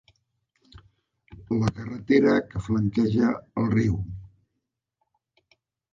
La carretera que flanqueja el riu.